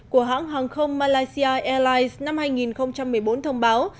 của hãng hàng không malaysia airlines năm hai nghìn một mươi bốn thông báo